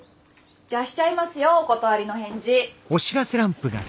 じゃあしちゃいますよお断りの返事。